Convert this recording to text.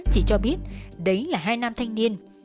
chỉ cho biết đấy là hai nam thanh niên